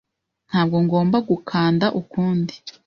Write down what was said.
Ntabwo ngomba gukanda ukundi